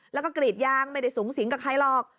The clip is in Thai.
แล้วก็กรีดยางไม่ได้สูงสิงกับใครหรอก